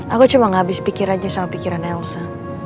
aku cuma gak habis pikirannya sama pikiran elsa